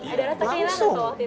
ada orang terkeliangan waktu itu